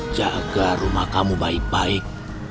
jaga rumah kamu baik baik